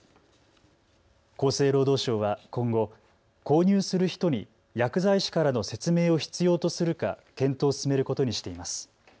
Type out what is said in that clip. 厚生労働省は今後、購入する人に薬剤師からの説明を必要とするか検討を進めることにしています。